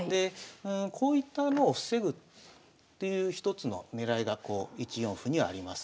こういったのを防ぐっていう一つの狙いが１四歩にはあります。